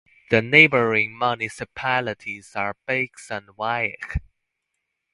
The neighboring municipalities are Bachs and Weiach.